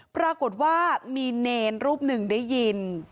ปรากฏว่ามีเนรรูปหนึ่งได้ยิน